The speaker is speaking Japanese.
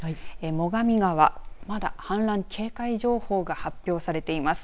最上川、まだ氾濫警戒情報が発表されています。